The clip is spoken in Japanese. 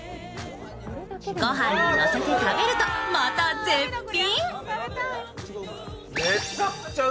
ごはんにのせて食べると、また絶品。